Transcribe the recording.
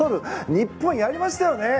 日本やりましたよね！